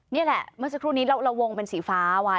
นี่แหละเมื่อสักครู่นี้เราวงเป็นสีฟ้าไว้